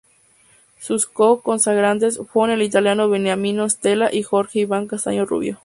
Sus co-consagrantes fueron el italiano Beniamino Stella y Jorge Iván Castaño Rubio.